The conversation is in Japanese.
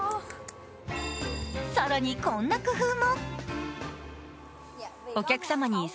更に、こんな工夫も。